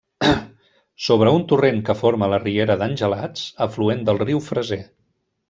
Sobre un torrent que forma la riera d'Angelats, afluent del riu Freser.